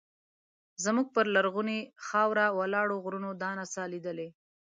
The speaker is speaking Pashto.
زموږ پر لرغونې خاوره ولاړو غرونو دا نڅا لیدلې.